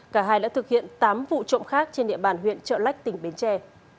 cả hai đã thực hiện tám vụ trộm khác trên địa bàn huyện trợ lách tỉnh bến tre